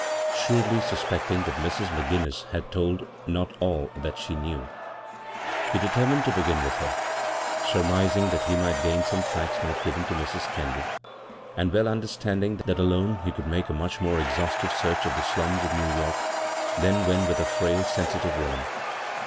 Shrewdly suspecting that Mrs. McGinnis had not told all that she knew, he determined to begin with her, sur mising that he might gain some facts not given to Mrs. Kendall, and well understand ing that alone he could make a much more exhaustive search of the slums of New York than when with a frail, sensitive woman.